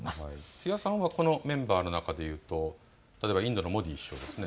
津屋さんはこのメンバーの中でいうと例えばインドのモディ首相ですね。